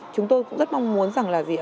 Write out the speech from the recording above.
chúng tôi cũng rất mong muốn rằng là gì